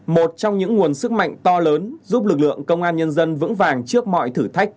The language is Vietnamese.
một trong những nguồn sức mạnh to lớn giúp lực lượng công an nhân dân vững vàng trước mọi thử thách